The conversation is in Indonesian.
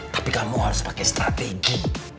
tapi kamu harus pakai strategi